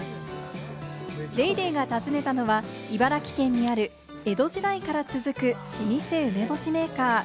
『ＤａｙＤａｙ．』が訪ねたのは、茨城県にある江戸時代から続く老舗梅干しメーカー。